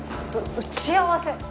打ち合わせ。